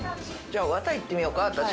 じゃあワタいってみようか私。